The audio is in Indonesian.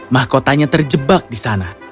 mahkotanya terjebak di sana